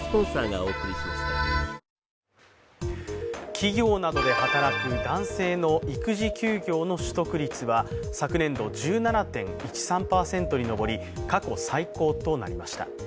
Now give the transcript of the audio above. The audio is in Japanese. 企業などで働く男性の育児休業の取得率は昨年度１７．１３％に上り、過去最高となりました。